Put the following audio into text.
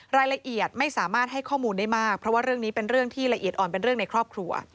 รายละเอียดไม่สามารถให้ข้อมูลได้มากเพราะว่าเรื่องนี้เป็นเรื่องที่ละเอียดอ่อนเป็นเรื่องในครอบครัว